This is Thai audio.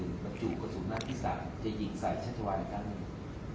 มาจุกกระสุนหน้าที่สามจะยิงใส่ชาชวายทางหนึ่ง